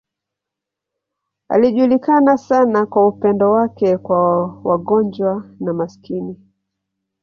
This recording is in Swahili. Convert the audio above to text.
Alijulikana sana kwa upendo wake kwa wagonjwa na maskini.